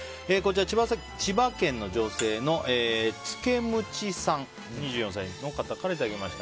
千葉県の女性の２４歳の方からいただきました。